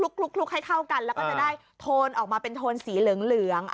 คลุกให้เข้ากันแล้วก็จะได้โทนออกมาเป็นโทนสีเหลือง